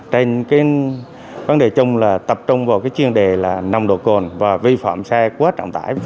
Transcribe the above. trên vấn đề chung là tập trung vào chuyên đề nồng độ cồn và vi phạm xe quá trọng tải